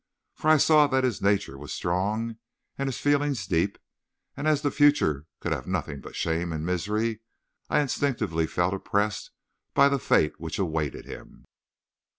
For I saw that his nature was strong and his feelings deep, and as the future could have nothing but shame and misery, I instinctively felt oppressed by the fate which awaited him.